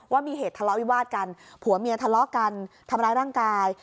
ว่ามีเหตุทะเลาะวิวาดกันผัวเมียทะเลาะกันทำร้ายร่างกาย